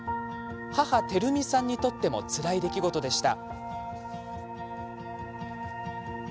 母・光美さんにとってもつらい出来事でした。